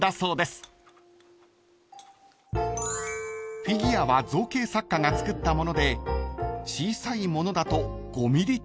［フィギュアは造形作家がつくったもので小さいものだと５ｍｍ程度］